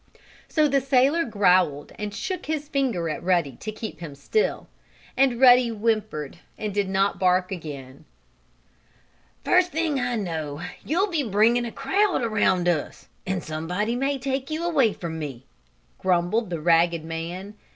So the sailor growled and shook his finger at Ruddy to make him keep still, and Ruddy whimpered and did not bark again. "First thing I know you'll be bringing a crowd around us, and somebody may take you away from me," grumbled the ragged man.